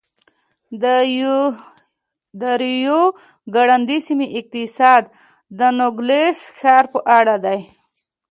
د ریو ګرنډي سیمې اقتصاد د نوګالس ښار په اړه دی.